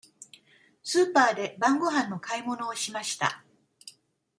スーパーで晩ごはんの買い物をしました。